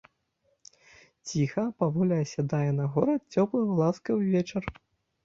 Ціха, паволі асядае на горад цёплы ласкавы вечар.